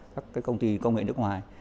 các công ty công nghệ nước ngoài